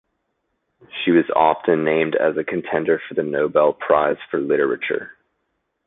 She was often named as a contender for the Nobel Prize for Literature.